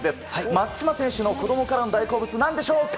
松島選手の子供からの大好物何でしょうか？